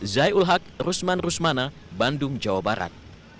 zai ul haq rusman rusmana bandung jawa barat